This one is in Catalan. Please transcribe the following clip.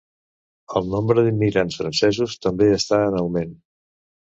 El nombre d'immigrants francesos també està en augment.